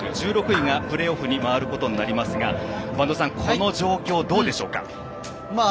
１６位がプレーオフに回ることになりますがこの状況、どうでしょうか？